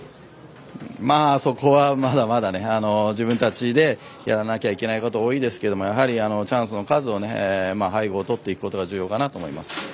そこは、まだまだ自分たちでやらないといけないこと多いですけど、チャンスの数を背後をとっていくことが重要かなと思います。